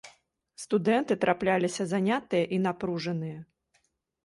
Студэнты трапляліся занятыя і напружаныя.